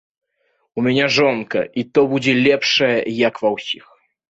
У мяне жонка і то будзе лепшая, як у ва ўсіх.